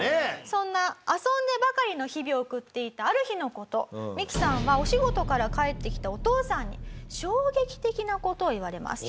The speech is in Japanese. そんな遊んでばかりの日々を送っていたある日の事ミキさんはお仕事から帰ってきたお父さんに衝撃的な事を言われます。